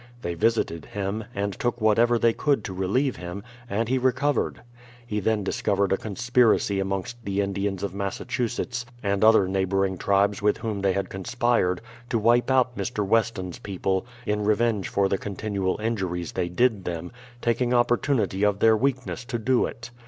They visited him, and took whatever they could to relieve him ; and he recovered. He then discovered a conspiracy amongst the Indians of IMassachusetts, and other neighbouring tribes with whom they had conspired, to wipe out Mr. Weston's people, in revenge for the con tinual injuries they did them, taking opportunity of their weakness to do it.